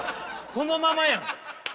そのままやん！